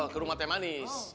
ke rumah teh manis